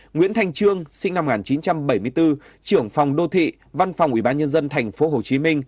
nguyễn thành trương sinh năm một nghìn chín trăm bảy mươi bốn trưởng phòng đô thị văn phòng ủy ban nhân dân tp hcm